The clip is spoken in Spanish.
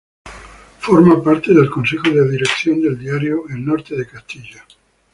Forma parte del consejo de dirección del diario "El Norte de Castilla".